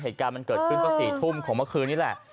เหตุการณ์มันเกิดขึ้นก็๔ทุ่มของเมื่อคืนนี้แหละ